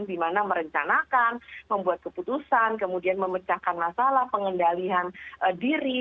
dimana merencanakan membuat keputusan kemudian memecahkan masalah pengendalian diri